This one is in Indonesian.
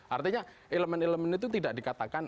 artinya elemen elemen itu tidak dikatakan